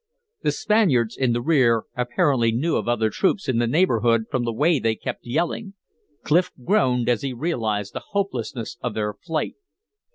The Spaniards in the rear apparently knew of other troops in the neighborhood from the way they kept yelling; Clif groaned as he realized the hopelessness of their flight.